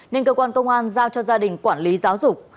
nên cơ quan công an giao cho gia đình quản lý giáo dục